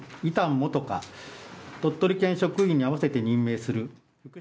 素花鳥取県職員に合わせて任命する。